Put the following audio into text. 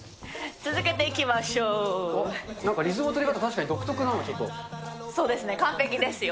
続けていきましょなんか、リズムの取り方、そうですね、完璧ですよ。